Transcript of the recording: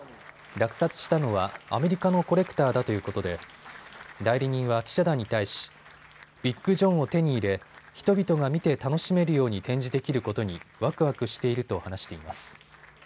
落札したのはアメリカのコレクターだということで代理人は記者団に対し、ビッグ・ジョンを手に入れ人々が見て楽しめるように展示できることにわくわくしていると話しています。